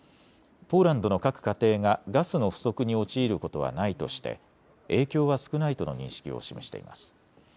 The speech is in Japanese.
ポーランドの各家庭がガスの不足に陥ることはないとして影響は少ないとの認識を示しています。